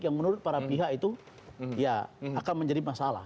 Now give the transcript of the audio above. yang menurut para pihak itu ya akan menjadi masalah